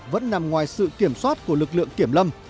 vẫn nằm ngoài sự kiểm soát của lực lượng kiểm lâm